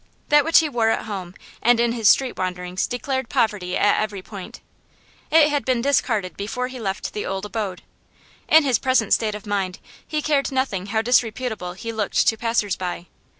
That which he wore at home and in his street wanderings declared poverty at every point; it had been discarded before he left the old abode. In his present state of mind he cared nothing how disreputable he looked to passers by.